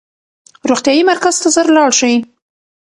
روغتیايي مرکز ته ژر لاړ شئ.